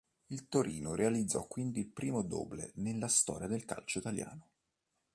Il Torino realizzò quindi il primo double nella storia del calcio italiano.